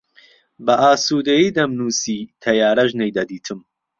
بە ئاسوودەیی دەمنووسی، تەیارەش نەیدەدیتم